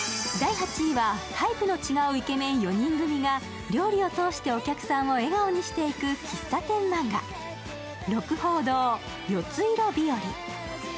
タイプの違うイケメン４人組が料理を通してお客さんを笑顔にしていく「鹿楓堂よついろ日和」。